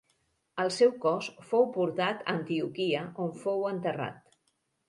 El seu cos fou portat a Antioquia on fou enterrat.